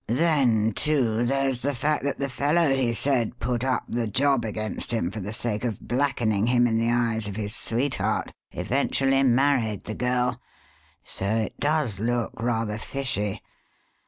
Then, too, there's the fact that the fellow he said put up the job against him for the sake of blackening him in the eyes of his sweetheart, eventually married the girl, so it does look rather fishy.